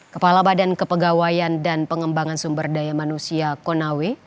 kepala badan kepegawaian dan pengembangan sumber daya manusia konawe